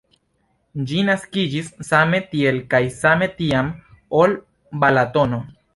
Ĝi naskiĝis same tiel kaj same tiam, ol Balatono.